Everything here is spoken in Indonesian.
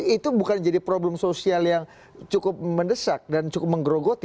itu bukan jadi problem sosial yang cukup mendesak dan cukup menggerogoti